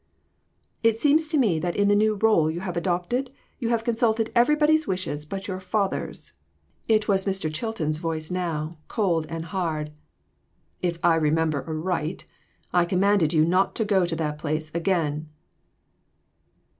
"It seems to me that in the new role you have adopted you have consulted everybody's wishes but your father's." A MODERN MARTYR. 381 It was Mr. Chilton's voice now, cold and hard. " If I remember aright, I commanded you not to go to that place again."